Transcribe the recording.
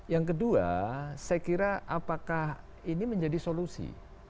yang kedua saya kira apakah ini menjadi solusi